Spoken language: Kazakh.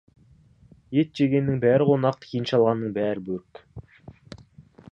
Ет жегеннің бәрі қонақ, енші алғанның бәрі бөрік.